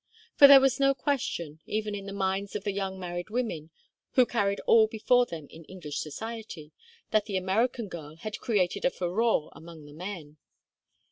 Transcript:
For there was no question, even in the minds of the young married women, who carry all before them in English society, that the American girl had created a furore among the men.